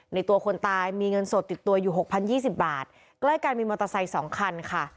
ตัวคนตายมีเงินสดติดตัวอยู่หกพันยี่สิบบาทใกล้กันมีมอเตอร์ไซค์สองคันค่ะ